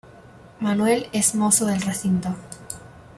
Manuel es mozo del recinto.